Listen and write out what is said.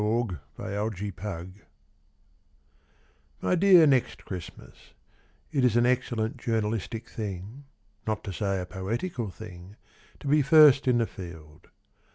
TO NEXT CHRISTMAS My dear Next Christmas, It is an excellent journalistic thing, Not to say a poetical thing, To be first in the field.